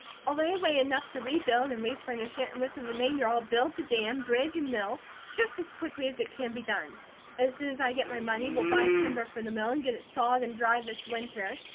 I'll lay away enough to rebuild and refurnish it, and with the remainder I'll build the dam, bridge, and mill, just as quickly as it can be done. As soon as I get my money, we'll buy timber for the mill and get it sawed and dried this winter.